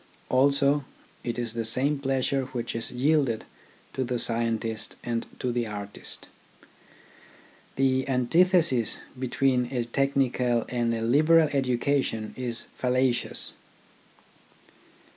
Also it is the same pleasure which is yielded to the scientist and to the artist. The antithesis between a technical and a liberal education is fallacious.